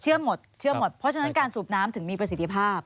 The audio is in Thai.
หมดเชื่อหมดเพราะฉะนั้นการสูบน้ำถึงมีประสิทธิภาพ